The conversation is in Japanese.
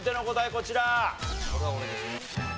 こちら。